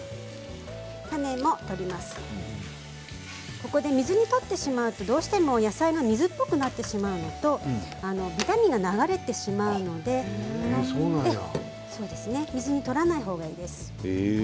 ここで水に取ってしまうとどうしても野菜が水っぽくなってしまうのとビタミンが流れてしまうので水に取らないほうがいいです。